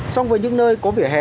xong với những nơi có vỉa hè